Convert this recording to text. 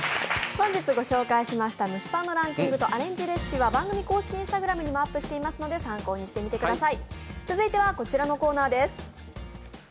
本日ご紹介しました蒸しパンのランキングとアレンジレシピは番組公式Ｉｎｓｔａｇｒａｍにもアップしていますので参考にしてみてください。